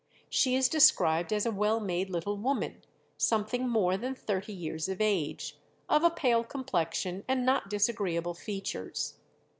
She is described as a well made little woman, something more than thirty years of age, of a pale complexion and not disagreeable features.